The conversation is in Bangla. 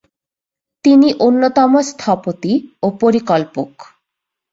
তিনি অন্যতম স্থপতি ও পরিকল্পক।